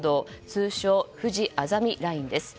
通称ふじあざみラインです。